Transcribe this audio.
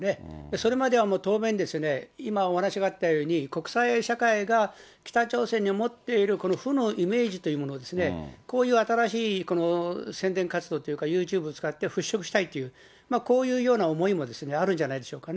それまでは当面、今お話があったように、国際社会が北朝鮮に持っている負のイメージというものを、こういう新しい宣伝活動というか、ユーチューブを使って払拭したいという、こういうような思いもあるんじゃないでしょうかね。